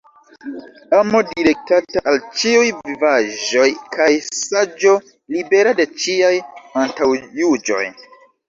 Amo direktata al ĉiuj vivaĵoj kaj saĝo libera de ĉiaj antaŭjuĝoj.